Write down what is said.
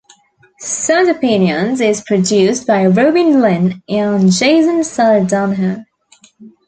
"Sound Opinions" is produced by Robin Linn and Jason Saldanha.